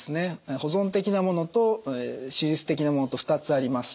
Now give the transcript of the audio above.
保存的なものと手術的なものと２つあります。